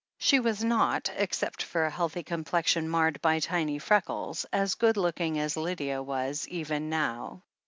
She was not, except for a healthy complexion marred by tiny freckles, as good looking as Lydia was even now.